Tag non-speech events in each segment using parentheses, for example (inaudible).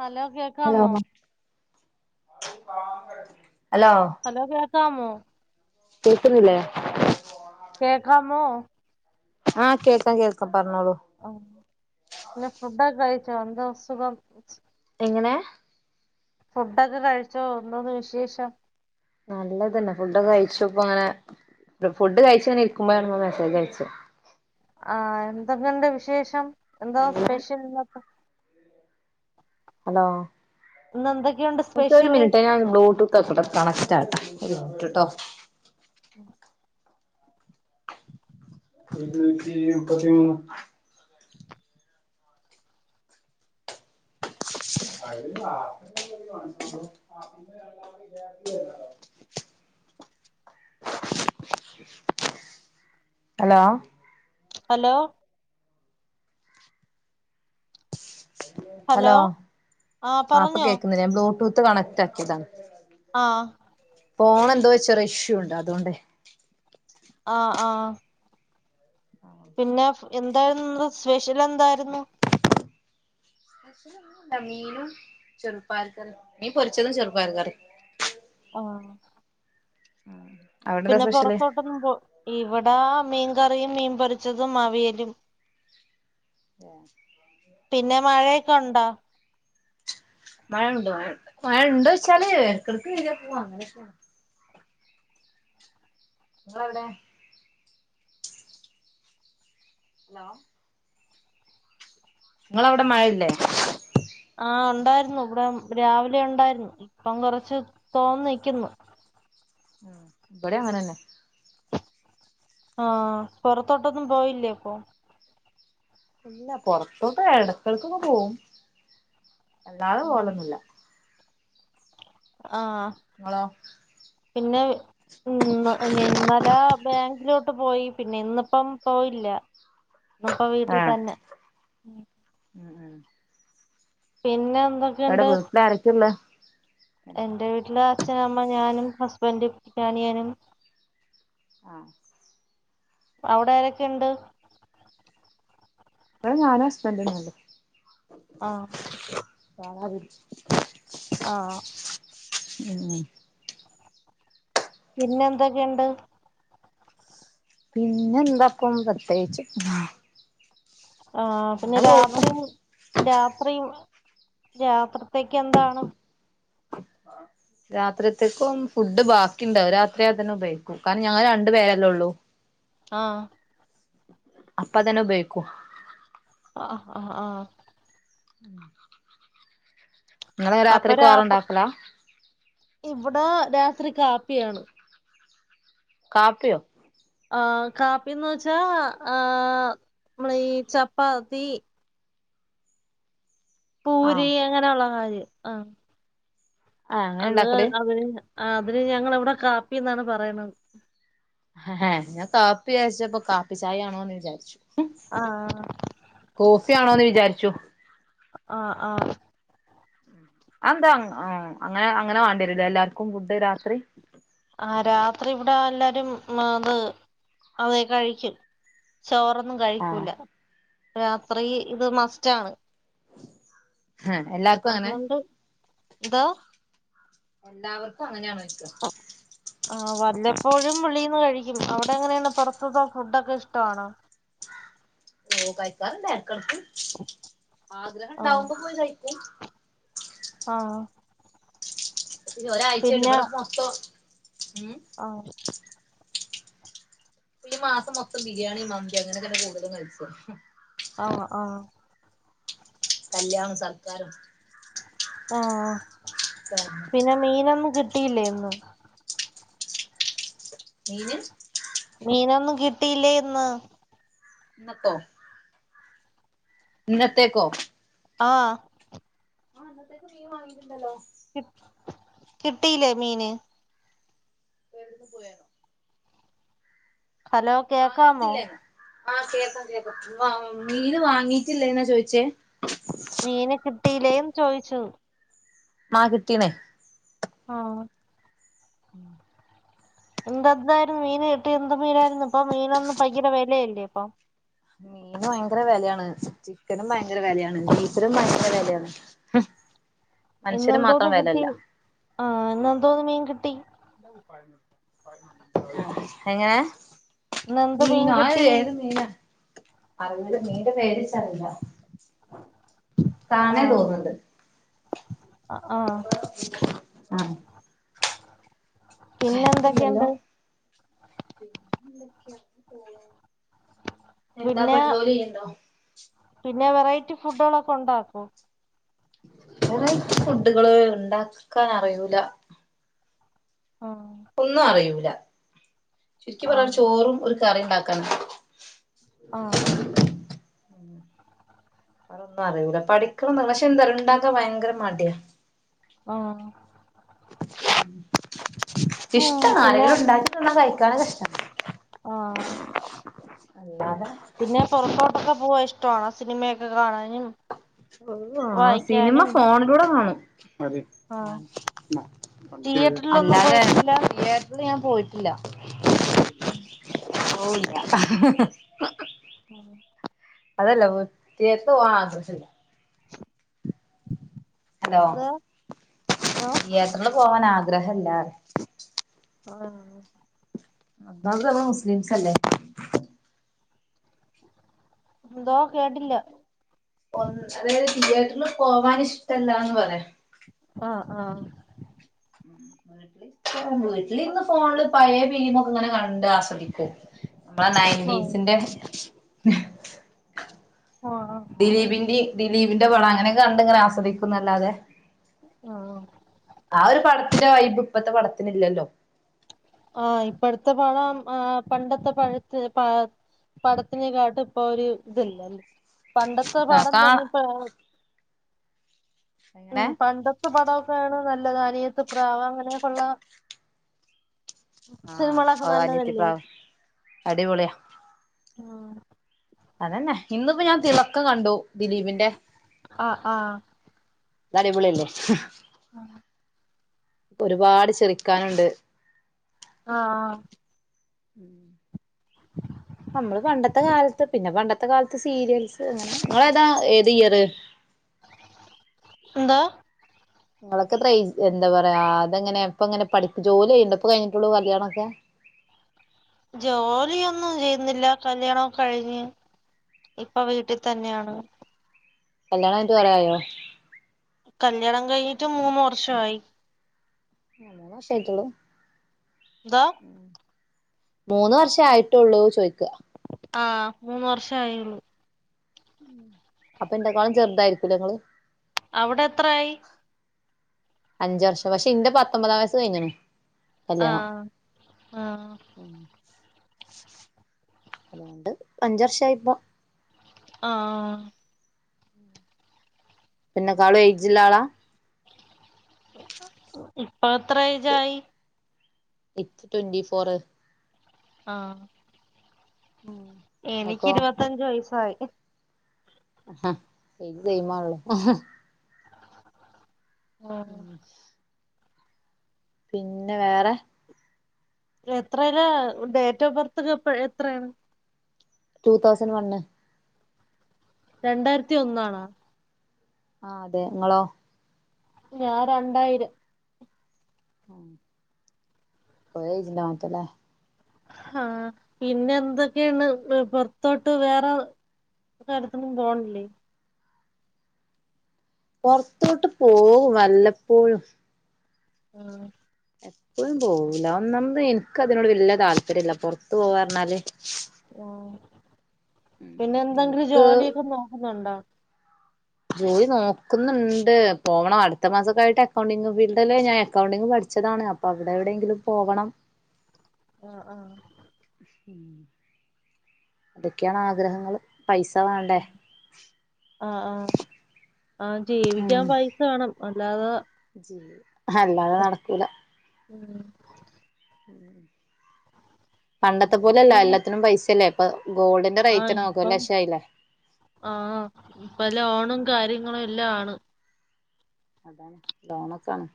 Hello hello കേക്കാമോ hello ഹലോകേക്കാമോ കേൾക്കുന്നില്ലേ കേക്കാ മോ ആകേൾക്കാം കേൾക്കാം പറഞ്ഞോളൂ ആ പിന്നെ ഫുഡൊക്കെ കഴിച്ചോ എന്ത സുഖം എങ്ങനെ ഫുഡൊക്കെ കഴിച്ചോ എന്തുണ്ട് വിശേഷം നല്ലത്ന്നെ ഫുഡെ കഴിച്ചു ഇപ്പ അങ്ങനെ ഫുഡ് കഴിച്ച അങ്ങെ ഇരിക്കുമ്പോഴാണ് ങ്ങള് മെസ്സേജ് അയച്ചത് ആഹ എന്തക്കണ്ട് വിശേഷം എന്താ എങ്ങനെ സ്പെഷ്യൽ ഹലോ ഇന്ന് എന്തൊക്കെയുണ്ട് പക്ഷ ഒരു സ്പെഷ്യല് മിനിറ്റ് ഞാൻ ബ്ലൂടൂത്ത് ഒക്കോൂടെ കണക്റ്റ് ആട്ട ഒരു മിനിറ്റ് കേട്ടോ ഉ ഇി പതി (unintelligible) അ (unintelligible) (unintelligible) (inaudible) ഹലോ ഹലോ ഹലോ ആഹ് ഇപ്പം പറഞ്ഞോ കേൾക്കുന്നില്ലേ ഞാൻ ബ്ലൂടൂത്ത് കണക്റ്റ് ആക്കിയതാ ആഹ ഫോൺ എന്തോ ചെറിയ ഇഷ്യൂ ഉണ്ട് അതോണ്ടെ ആഹ ആഹ പിന്നെ എന്തായിരുന്നു സ്പെഷ്യൽ എന്തായിരുന്നു മീനും ചെറുപയർ കറി മീൻ പൊരിച്ചതും ചെറുപ്പയർ കറിയും ഹ ആഹ പിന്നെ പുറത്തോട്ടൊന്നും പോ ഇവിടെ മീൻകറിയും മീൻ പൊരിച്ചതും അവിയലും ആ പിന്നെ മഴയൊക്കെ ഉണ്ടോ മഴുണ്ട് മഴ ഉണ്ടോന്ന് ചോദിച്ചാൽ ഇടക്കിടക്ക് വര പോവാ അങ്ങനെക്കാണ് നിങ്ങള്എവിടെ? ഹലോ നിങ്ങളവിടെ മഴയില്ലേ? ആ ഉണ്ടായിരുന്നു ഇവിടെ രാവിലെ ഉണ്ടായിരുന്നു ഇപ്പം കൊറച്ച് തോർന്ന് നിക്കുന്നു. ഇവിടെയും അങ്ങനെ തന്നെ. ആഹ് പൊറത്തോട്ടൊന്നും പോയില്ലേ അപ്പൊ? ഇല്ല പൊറത്തോട്ട് ഇടക്ക ൾക്കൊന്നു പോവും അല്ലാതെ പോവലൊന്നുല്ല. ആഹ് നിങ്ങളോ പിന്നെ? ഇന്ന് ഇന്നലെ ബാങ്കിലോട്ട് പോയി പിന്നെ ഇന്നിപ്പം പോയില്ല. അപ്പ വീട്ടിൽ ആഹ് തന്നെ. ഉം ഉം പിന്നെ എന്ത്? അവിടെ വീട്ടില് ആരൊക്കയാ ഉള്ളേ? എന്റെ വീട്ടില് അച്ഛനമ്മ ഞാനും ഹസ്ബൻഡും പിന്നെഅനിയനും. ആ അവിടെ ആരൊക്കെ ഉണ്ട്? ഇവിടെ ഞാനും ഹസ്ബൻഡും ആഹ് വേറാരുല്ല ആഹ ഉം പിന്നെ എന്തൊക്കെയുണ്ട്? പിന്നെ എന്താക്കും പ്രത്യേകിച്ച് ആ പിന്നെ അങ്ങനെ പോകുന്നു രാത്രിയും രാത്രിയും രാത്രിത്തേക്ക് എന്താ രാത്രിത്തേക്കും ഫുഡ് ബാക്കിയുണ്ട്. അത് രാത്രി അതു തന്നെ ഉപയോഗിക്കും.. കാരണം ഞങ്ങൾ രണ്ടു പേരല്ലോള്ളൂ ആഹ് അപ്പതന്നെ ഉപയോഗിക്കും. ആഹ് ആഹ് ഹാ (inaudible) രാത്രി അപ്പ രാഭം. ചോറുണ്ടാക്കലാ ഇവിടെ രാത്രി കാപ്പിയാണ്. കാപ്പിയോ? ആ കാപ്പിന്ന് വെച്ചാ ആ നമ്മളെ ഈ ചപ്പാത്തി പൂരി ആഹ് അങ്ങനെയുള്ള കാര്യം ആ. ആഹ് അങ്ങനെ അത് ഉണ്ടാക്കല് അതിന് ആ അതിന് ഞങ്ങളി വിടെ കാപ്പിന്നാണ് പറയന്നത്. ഹഹ് ഞാൻ കാപ്പി വിചാരിച്ചപ്പോ കാപ്പി ചായയാണോന്ന് വിചാരിച്ചു. ഹും. ആ കോഫിയാണോന്ന് വിചാരിച്ചു. ആഹ്ആഹ് അ എന്താ അങ്ങൻ മ് അങ്ങനെഅങ്ങനെ വേണ്ടി വരൂ ല്ലേ എല്ലാർക്കും ഫുഡ് രാത്രി? ആ രാത്രി ഇവിടെ അല്ലാരും മ ത് അതേ കഴിക്കു. ചോറൊന്നും ആഹ് കഴിക്കൂല രാത്രി ഇത് മസ്റ്റാണ്. ഹ് എല്ലാർക്കും അങ്ങനെ അതുകൊണ്ട് ഇതാ എല്ലാവർക്കും അങ്ങനെയാണോ ചോദിച്ച (inaudible) ആ വല്ലപ്പോഴും വെളീന്ന് കഴിക്കും. അവിടെ എങ്ങനെയാണ് പുറത്തു ത്തെഫുഡൊക്കെ ഇഷ്ടാണോ? ഓ കഴിക്കാറുണ്ട് ഇടക്കിടയ്ക്ക്. ആ ആഗ്രഹണ്ടാവുമ്പോ പോയി കഴിക്കു ആഹ് ഒരാഴ്ചയായിട്ട് പിന്നെ ഇവിടൊക്കെ മൊത്തോ ഉം ആഹ് ഈ മാസം മൊത്തം ബിരിയാണി, മന്തി അങ്ങനെക്കന്നെ കൂടുതലും കഴിച്ചത്. ഹും ആവൊ ആ കല്യാണം, സർക്കാരം ആഹ് പിന്നെ മീനൊന്നും കിട്ടിയില്ലേ ഇന്നും? മീന് മീനൊന്നും കിട്ടിയില്ലേ ഇന്ന് ന്നത്തോ ഇന്നത്തേക്കോ അ ആഹ് ആഹ് ഇന്നത്തേക്ക് മീൻ വാങ്ങിട്ട്ണ്ടല്ലോ കി കിട്ടീലെ മീന് (unintelligible) ഹലോ കേക്കാമോ വാങ്ങീട്ടില്ലെന്നൊ ആഹ് കേൾക്കാം കേൾക്കാം വാ മീന് വാങ്ങീട്ടില്ലെന്നാ ചോയിച്ചേ മീന് കിട്ടീലേന്ന് ചോയിച്ചു മാ കിട്ടീണ് ആഹ് (inaudible) ന്തന്തായിരുന്നു മീന് കിട്ടി എന്ത് മീനാരുന്നു ഇപ്പ മീനൊന്നും ഭയങ്കര വെലയല്ലേ ഇപ്പൊ മീൻന് വയങ്കര വെലയാണ് ചിക്കനും ഭയങ്കര വെലയാണ് ബീഫിനും ഭയങ്കര വെലയാണ് മ്ഹ് മനുഷ്യന് ഇന്നെന്തോന്ന് മാത്രം കിട്ടി വെലല്ല ആഹ് ഇന്നന്തോന്ന് മീൻ കിട്ടി എങ്ങനെ ഇന്നെന്ത് മീൻ മീനൊ അത് കിട്ടി ഏത് മീനാ അറിയൂലമീന്റെ പേര് ച്ചറിയില്ല കാണേ തോന്ന്ണ്ട് അ ആഹ് ആഹ് പിന്നെ കരണ്ടില്ലല്ലോ എന്തൊക്കെയുണ്ട് എന്താപ്പ പിന്നെ ജോലി ചെയ്യണ്ടോ? പിന്നെ വെറൈറ്റി ഫുഡുകളൊക്കെ ഒണ്ടാക്കോ?. വെറൈറ്റി ഫുഡുകള് ഇണ്ടാക്കാനറിയൂല. ആഹ്. ഒന്നും അറിയൂല ചുരുക്കി പറയാണേ ആഹ് ചോറും ഒരു കറിണ്ടാക്കാന് ആഹ്. വെറൊന്നും അറിയൂല്ല പഠിക്കണന്ന് പക്ഷെ എന്താറിയോ ഇണ്ടാക്കാൻ ഭയങ്കര മടിയാ- ആഹ്. ഉം ഇഷ്ടാവ പിന്നെ ആരെങ്കിലും ഉണ്ടാക്കി തന്നാ കഴിക്കാനൊക്കെ ഇഷ്ടാ. ആഹ്. അല്ലാതെ പിന്നെ പൊറത്തോട്ടൊക്കെ പോവാ ഇഷ്ടണോ സിനിമയൊക്കെ കാണാനും? ഒന്നും ആഹ് സിനിമ വായിക്കാനും ഫോണിലൂടെ കാണും. ആഹ് തിയേറ്ററിലൊന്നും അല്ലാതെ പോയിട്ടില്ല (unintelligible) എ ഇന്ന് ഞാൻ പോയിട്ടില്ല. ഉം പോയില്ല. ഉം അതല്ല തീയറ്ററ്പൊ കണ്ട്ട്ടില്ല (inaudible) ഹലോ എന്തോ ആഹ് യെട്ടന് പോവാൻ ആഗ്രഹല്ല (unintelligible) ഒന്നാമത് നമ്മള് മുസിലീംസല്ലേ? ന്തോ കേട്ടില്ല? ഒന്ന് അതായത് തിയേറ്ററിൽ പോവാൻ ഇഷ്ടല്ലാന്ന് പറയാ ആഹ് ആഹ്. മ്മള് വീട്ടിലിരുന്ന് ഫോണില് പഴെ ഫിലീമും. അങ്ങനെ കണ്ട് ആസ്വദിക്കും നമ്മടെ നയൻറ്റീസിന്റെ. ഓഹാ ആഹ്. ദിലീപിന്റി ദിലീപിന്റെ പടം അങ്ങനെ കണ്ടി ങ്ങനെ ആസ്വിക്കുന്നല്ലാതെ ആഹ് ആ ഒരു പടത്തിന്റെ വൈബ് ഇപ്പത്തെ പടത്തിന്ല്ലല്ലോ ആഹ് ഇപ്പടത്തെ പഴം ആഹ് പണ്ടത്തെ പഴത്ത് പ പടത്തിനെക്കാട്ടും ഇപ്പൊ ഒരു ഇതല്ല പണ്ടത്തെ ആ പടം കാ തന്നെ ഇപ്പ എങ്ങനെ ഉം പണ്ടത്തെ പടൊക്കെയാണ് നല്ലത് അനിയത്ത് പ്രാവ് അങ്ങനെയൊക്കെള്ള ആഹ് സിനിമകളൊക്കെ അത് നല്ലതല്ലേ അനിത്തിപ്രാവ് അടിപൊളിയ ആഹ് അതെന്നെ ഇന്നിപ്പോ ഞാൻ തിളക്കം കണ്ടു ദിലീപിന്റെ ആഹ് ആഹ് തടിപൊളില്ലേ ആഹ് ഒരുപാട് ചിറിക്കാനുണ്ട് ആഹ് ആഹ് ഉം നമ്മള് പണ്ടത്തെ കാലത്ത് പിന്നെ പണ്ടത്തെ കാലത്ത് സീരിയൽസ് അങ്ങനെ നിങ്ങളേതാ ഏത് ഇയറ് ന്തോ? നിങ്ങളൊക്കെത്ര എന്താ പറയാ അതെങ്ങനെ ഇപ്പങ്ങനെ പഠിക്ക് ജോലി ചെയ്യണ്ടപ്പൊ ഇപ്പൊ കഴിഞ്ഞട്ടുള്ളൂ കല്യാണൊക്കെ ജോലിയൊന്നും ചെയ്യുന്നില്ല കല്യാണോ കഴിഞ്ഞ് ഇപ്പൊ വീട്ടിത്തന്നെയാണ് കല്യാണായിട്ട് കൊറേ ആയോ? കല്യാണം കഴിഞ്ഞിട്ട് മൂന്ന് വർഷായി ആഹ് മൂന്ന് വർഷായിട്ടൊള്ളു ന്തോ മൂന്ന് വർഷം ആയിട്ടുള്ളൂ ചോയിക്ക ആഹ് മൂന്ന് വർഷേ ആയുള്ളു അപ്പൊ എന്റെക്കാളും ചെറുതായിരിക്കി ല്ലെങ്ങള് അവിടെത്ര ആയി അഞ്ച് വർഷം പക്ഷെ ഇന്റെ പത്തൊമ്പതാം വയസ് കയിഞ്ണ് കല്യാണൊ ആഹ് ആഹ് അതൊണ്ട് അഞ്ച വർഷയി്പ്പോ ആഹ് ആഹ് പിന്നെക്കാളു എയ്ജില്ലാളാ? ഇപ്പൊ എത്ര എയ്ജായി? ഇറ്റ് ട്വന്റി ഫോറ് ആഹ് ഉം എനിക്ക് ഇരുപത്തഞ്ച് വയസായി ആഹ് എയ്ജ് സെയിം ആണല്ലോ ആഹ് പിന്നെ വേറെ? എത്രല ഡേറ്റ് ഓഫ് ബർത്ത്കെ എപ്പ എത്രണ് ടു തൗസൻഡ് വണ്ണ് രണ്ടായിരത്തി ഒന്നാണോ? ആഹ് അതെ ഇങ്ങളോ? ഞാ രണ്ടായിരം ഉം പോയജ്ലാമത്തല്ലേ ആഹ് പിന്നെ എന്തൊക്കെണ് പോർത്തോട്ട് വേറെ ഇപ്പൊ അടുത്തൊന്നും പോണില്ലേ? പൊറത്തോട്ട് പോകും വല്ലപ്പോഴും ഉം എപ്പളും പോവൂല്ല ഒന്നാമത് ഇൻക്ക് അതിനോട് വല്യ താല്പര്യല്ല പൊറത്ത് പോവാ പറഞ്ഞാല് ഓഹ് പിന്നെ എന്തെങ്കിലും എനിക്ക് ജോലിയൊക്കെ നോക്കുന്നുണ്ടോ? ജോലി നോക്ക്ന്നുണ്ട് പോവണം അടുത്ത മാസക്കായിട്ട് അക്കൗണ്ടിങ് ഫീൽഡില് ഞാൻ അക്കൗണ്ടിങ് പഠിച്ചതാണ് അ പ്പൊ അവിടെ എവിടെയെങ്കിലും പോകണം. ആഹ് ആഹ് അതൊക്കെയാണ് ആഗ്രഹങ്ങള് പൈസ വാണ്ടേ ആഹ് ആഹ് ഉം. സ വാണം അല്ലാതെ ഹല്ലാതെ നടക്കൂല ഉം. പണ്ടത്തെ പോലെല്ല ഉം എല്ലാത്തിനും പൈസല്ലേ ഇപ്പൊ ഗോൾഡി ആഹ് ഇപ്പം ആഹ് ഇപ്പൊ ലോണും കാര്യങ്ങളും എല്ലാ ആണ്. അതാണ് ലോണൊക്കാണ്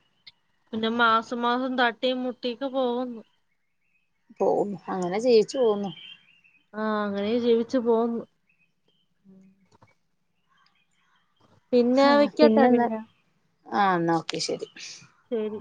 പിന്നെ മാസ മാസം തട്ടിം മുട്ടിം ഒക്കെ പോകുന്നു. പോവുന്നു അങ്ങനെ ജീവിച്ചു പോവുന്നു. ആഹ് അങ്ങനെ ജീവിച്ചു പോവുന്നു. ഉം. പിന്നെ ഹാ വെക്കട്ടെ പിന്നെന്താ പിന്നെ ആഹ് ന്നാ ഓക്കെ ശരി. ശരി.